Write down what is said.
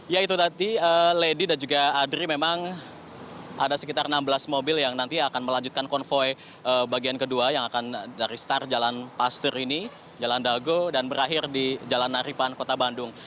ya itu tadi lady dan juga adri memang ada sekitar enam belas mobil yang nanti akan melanjutkan konvoy bagian kedua yang akan dari start jalan pasteur ini jalan dago dan berakhir di jalan aripan kota bandung